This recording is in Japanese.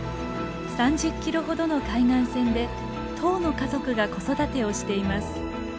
３０キロほどの海岸線で１０の家族が子育てをしています。